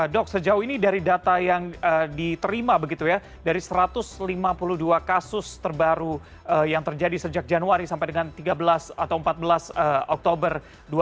dok sejauh ini dari data yang diterima begitu ya dari satu ratus lima puluh dua kasus terbaru yang terjadi sejak januari sampai dengan tiga belas atau empat belas oktober dua ribu dua puluh